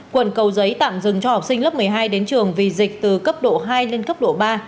quận cầu giấy tạm dừng cho học sinh lớp một mươi hai đến trường vì dịch từ cấp độ hai lên cấp độ ba